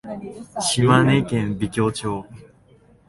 島根県美郷町